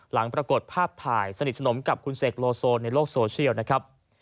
ปรากฏภาพถ่ายสนิทสนมกับคุณเสกโลโซในโลกโซเชียลนะครับ